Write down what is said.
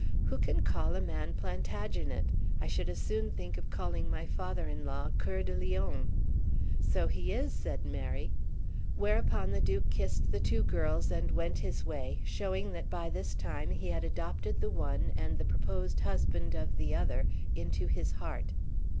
"Who can call a man Plantagenet? I should as soon think of calling my father in law Coeur de Lion." "So he is," said Mary. Whereupon the Duke kissed the two girls and went his way, showing that by this time he had adopted the one and the proposed husband of the other into his heart.